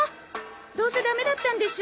どうせダメだったんでしょ？